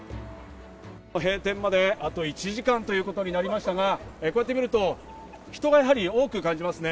閉店まであと１時間ということになりましたが、こうやってみると人がやはり多く感じますね。